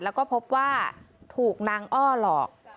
แล้วก็พบว่าถูกนางอ้อหลอก